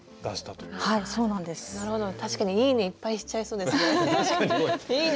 確かに「いいね！」いっぱいしちゃいそうですね。いいね！